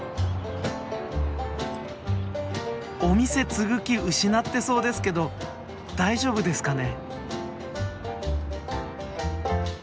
お店継ぐ気失ってそうですけど大丈夫ですかね？